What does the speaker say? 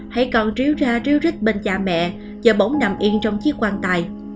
hãy còn ríu ra ríu rít bên cha mẹ giờ bỗng nằm yên trong chiếc quan tài